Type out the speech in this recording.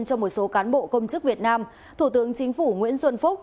cho một số cán bộ công chức việt nam thủ tướng chính phủ nguyễn xuân phúc